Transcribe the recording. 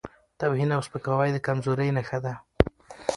توهین او سپکاوی د کمزورۍ نښه ده.